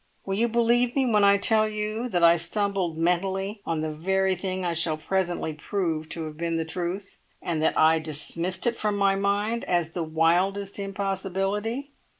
Will you believe me when I tell you that I stumbled mentally on the very thing I shall presently prove to have been the truth, and that I dismissed it from my mind as the wildest impossibility?"